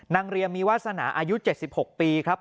เรียมมีวาสนาอายุ๗๖ปีครับ